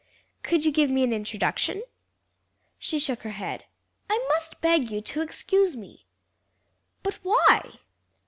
"Could you give me an introduction?" She shook her head. "I must beg you to excuse me." "But why?"